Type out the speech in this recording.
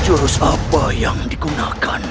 curus apa yang digunakan